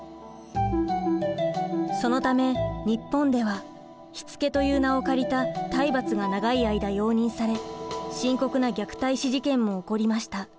そのため日本では「しつけ」という名を借りた「体罰」が長い間容認され深刻な虐待死事件も起こりました。